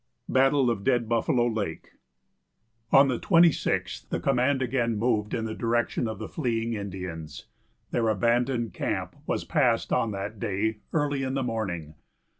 BATTLE OF DEAD BUFFALO LAKE. On the 26th the command again moved in the direction of the fleeing Indians. Their abandoned camp was passed on that day early in the morning.